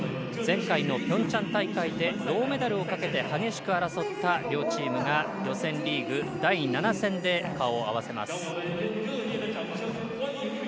前回のピョンチャン大会で銅メダルをかけて激しく争った両チームが予選リーグ、第７戦で顔を合わせます。